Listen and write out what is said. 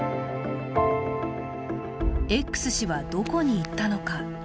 Ｘ氏はどこに行ったのか。